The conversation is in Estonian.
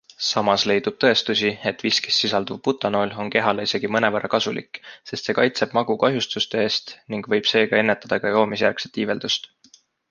Samas leidub tõestusi, et viskis sisalduv butanool on kehale isegi mõnevõrra kasulik, sest see kaitseb magu kahjustuste eest ning võib seega ennetada ka joomisjärgset iiveldust.